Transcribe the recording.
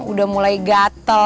udah mulai gatel